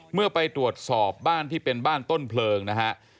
เมื่อไปตรวจสอบบ้านที่เป็นบ้านต้นเพลิงนะฮะ